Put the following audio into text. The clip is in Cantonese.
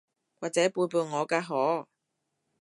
或者背叛我㗎嗬？